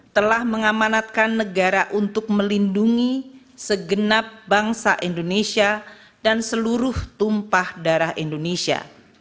telah mengamanatkan negara untuk melindungi segenap bangsa indonesia dan seluruh tumpah darah indonesia